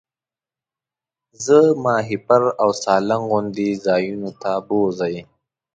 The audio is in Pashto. زه ماهیپر او سالنګ غوندې ځایونو ته بوځئ.